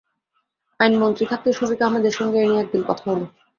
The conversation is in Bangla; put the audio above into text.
আইনমন্ত্রী থাকতে শফিক আহমেদের সঙ্গে এ নিয়ে একদিন কথা হলো।